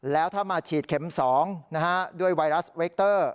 แล้วถ้ามาฉีดเข็ม๒ด้วยไวรัสเวคเตอร์